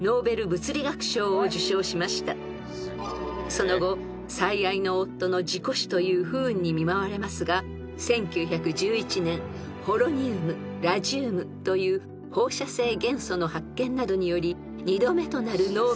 ［その後最愛の夫の事故死という不運に見舞われますが１９１１年ポロニウムラジウムという放射性元素の発見などにより２度目となるノーベル賞を受賞］